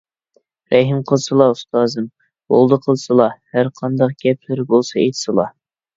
رەھىم قىلسىلا، ئۇستازىم، بولدى قىلسىلا! ھەرقانداق گەپلىرى بولسا ئېيتسىلا!